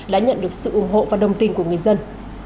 đã nhận được sự ủng hộ và đồng tình của người dân